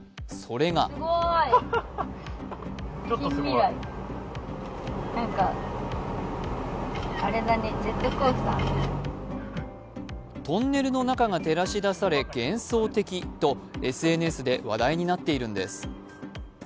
それがトンネルの中が照らし出され、幻想的とＳＮＳで話題になっているんです。